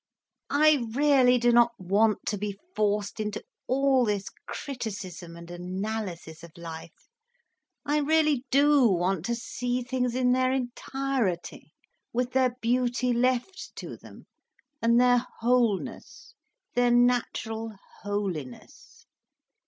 "I really do not want to be forced into all this criticism and analysis of life. I really do want to see things in their entirety, with their beauty left to them, and their wholeness, their natural holiness.